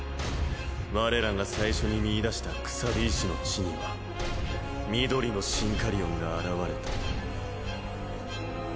我らが最初に見いだしたクサビ石の地には緑のシンカリオンが現れた。